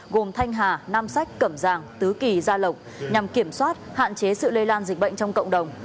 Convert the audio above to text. gồm thanh hà nam sách cẩm giàng tứ kỳ gia lộc nhằm kiểm soát hạn chế sự lây lan dịch bệnh trong cộng đồng